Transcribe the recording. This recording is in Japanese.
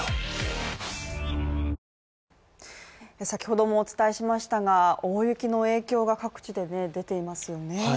先ほどもお伝えしましたが大雪の影響が各地で出ていますよね